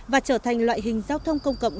và trở thành loại hình giao thông công cộng